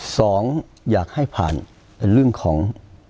สองอยากให้ผ่านเรื่องของ